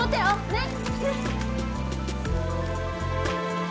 ねっ。